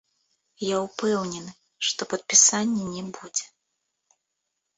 Я ўпэўнены, што падпісання не будзе.